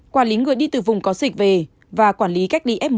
quản lý người đi từ vùng có dịch về và quản lý cách ly f một